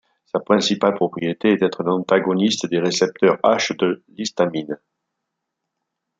Sa principale propriété est d'être un antagoniste des récepteurs H de l'histamine.